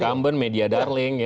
incumbent media darling ya